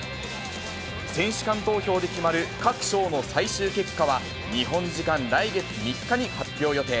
選手間投票で決まる各賞の最終結果は、日本時間来月３日に発表予定。